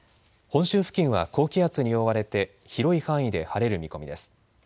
本州付近は高気圧に覆われて広い範囲で晴れる見込みです。